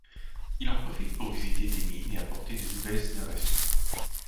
Il en profite pour visiter des mines et apporter de nouvelles innovations.